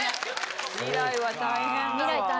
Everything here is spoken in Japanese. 未来は大変だわ。